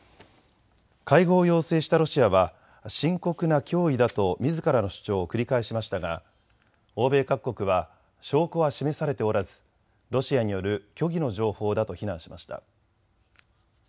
会合を要請したロシアは深刻な脅威だとみずからの主張を繰り返しましたが欧米各国は証拠は示されておらずロシアによる虚偽の情報だと非難しました。